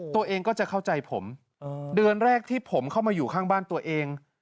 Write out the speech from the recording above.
ตัวเองก็จะเข้าใจผมเดือนแรกที่ผมเข้ามาอยู่ข้างบ้านตัวเอง